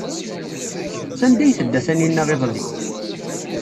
Sanda ay tedda Taninna iḍelli?